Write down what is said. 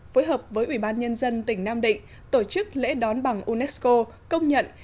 phối hợp với ủy ban nhân dân tỉnh nam định tổ chức lễ đón bằng unesco công nhận